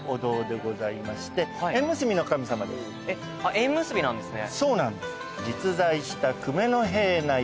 縁結びなんですね。